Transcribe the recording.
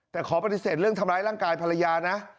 แต่ขอปฏิเสธเรื่องทำร้ายร่างกายภรรยานะ